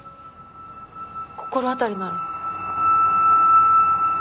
心当たりなら。